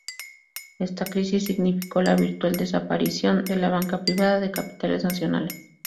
Esta crisis significó la virtual desaparición de la banca privada de capitales nacionales.